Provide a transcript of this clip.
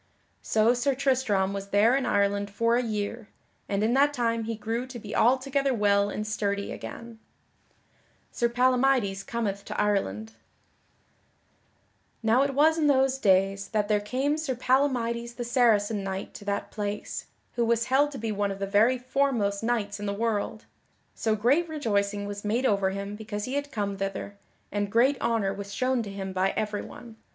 So Sir Tristram was there in Ireland for a year, and in that time he grew to be altogether well and sturdy again. [Sidenote: Sir Palamydes cometh to Ireland] Now it was in those days that there came Sir Palamydes the Saracen knight to that place, who was held to be one of the very foremost knights in the world. So great rejoicing was made over him because he had come thither, and great honor was shown to him by everyone.